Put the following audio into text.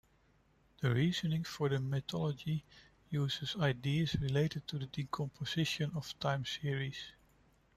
The reasoning for the methodology uses ideas related to the decomposition of time series.